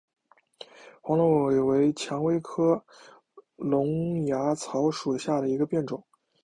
黄龙尾为蔷薇科龙芽草属下的一个变种。